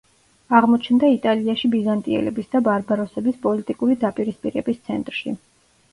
აღმოჩნდა იტალიაში ბიზანტიელების და ბარბაროსების პოლიტიკური დაპირისპირების ცენტრში.